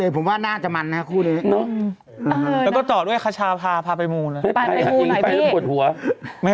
ผมแห้เหรอพี่ครับผมแห้